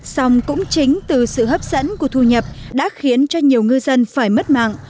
xong cũng chính từ sự hấp dẫn của thu nhập đã khiến cho nhiều ngư dân phải mất mạng